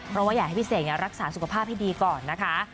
เพราะว่าอยากให้พี่เสกรักษาสุขภาพให้ดีก่อนนะคะ